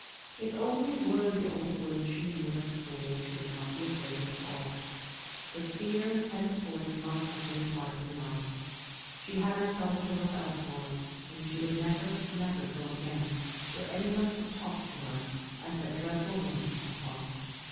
If only it were the old woods she knew at the school, she would not be afraid at all. But fear henceforth must have no part in her life. She had herself to look out for, and she would never, never go again where any one could talk to her as that dreadful woman had talked.